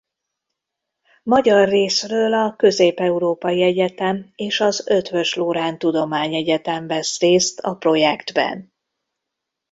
Magyar részről a Közép-európai Egyetem és az Eötvös Loránd Tudományegyetem vesz részt a projektben.